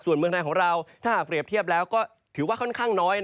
ส่วนเมืองไทยของเราถ้าหากเปรียบเทียบแล้วก็ถือว่าค่อนข้างน้อย